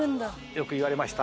よく言われました。